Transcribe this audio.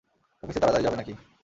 অফিসে তাড়াতাড়ি যাবে না কি?